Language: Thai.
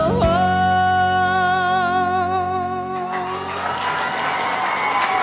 โอ้โห